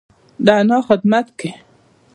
د انا خدمت کيي.